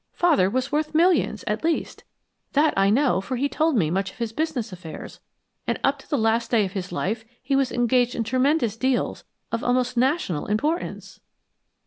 Father was worth millions, at least. That I know, for he told me much of his business affairs and up to the last day of his life he was engaged in tremendous deals of almost national importance."